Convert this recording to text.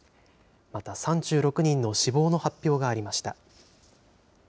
また３６人の死亡の発表がありました。